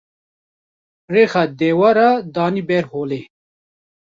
rêxa dewera danî ber holê.